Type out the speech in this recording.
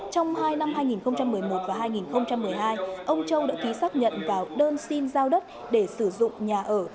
trong hai năm hai nghìn một mươi một và hai nghìn một mươi hai ông châu đã ký xác nhận vào đơn xin giao đất để sử dụng nhà ở